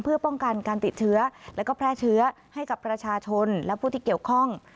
เพื่อป้องกันการติดเชื้อแล้วก็แพร่เชื้อให้กับประชาชนและผู้ที่เกี่ยวข้อง